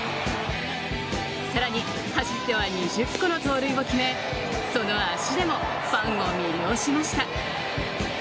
さらに走っては２０個の盗塁を決めその足でもファンを魅了しました。